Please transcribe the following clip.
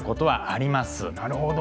なるほど。